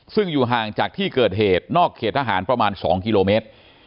ซึ่งอยู่ห่างจากที่เกิดเหตุนอกเขตทหารประมาณ๒กิโลเมตร